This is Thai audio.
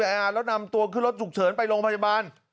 แล้วนำตัวขึ้นรถฉุกเฉินไปโรงพยาบาล